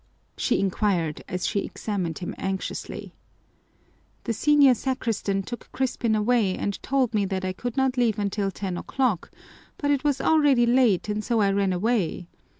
she inquired, as she examined him anxiously. "The senior sacristan took Crispin away and told me that I could not leave until ten o'clock, but it was already late and so I ran away.